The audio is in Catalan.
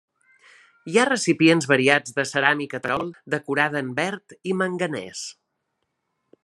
Hi ha recipients variats de ceràmica Terol decorada en verd i manganès.